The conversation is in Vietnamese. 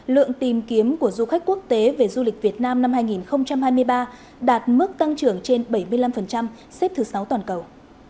lượng tìm kiếm của du khách quốc tế về du lịch việt nam năm hai nghìn hai mươi ba đạt mức tăng trưởng trên bảy mươi năm xếp thứ sáu toàn cầu